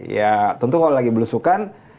ya tentu kalau lagi belusukan